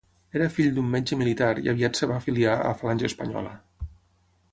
Era fill d'un metge militar i aviat es va afiliar a Falange Espanyola.